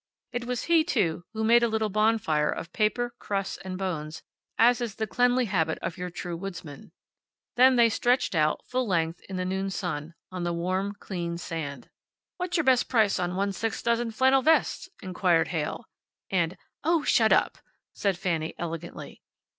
It was he, too, who made a little bonfire of papers, crusts, and bones, as is the cleanly habit of your true woodsman. Then they stretched out, full length, in the noon sun, on the warm, clean sand. "What's your best price on one sixth doz. flannel vests?" inquired Heyl. And, "Oh, shut up!" said Fanny, elegantly.